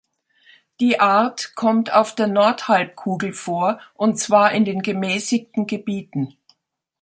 Die Art kommt auf der Nordhalbkugel vor, und zwar in den gemäßigten Gebieten.